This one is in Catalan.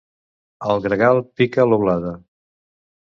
El gregal pica l'oblada.